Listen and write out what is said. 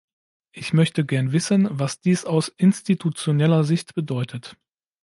Ich möchte gern wissen, was dies aus institutioneller Sicht bedeutet.